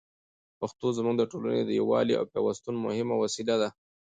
پښتو زموږ د ټولني د یووالي او پېوستون مهمه وسیله ده.